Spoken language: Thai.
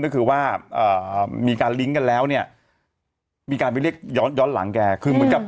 ก็คือว่ามีการลิงก์ทั้งคู่กันแล้วมีการไปเรียกย้อนหลังแก